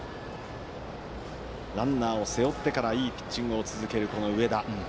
ランナーを背負ってからいいピッチングを続ける上田。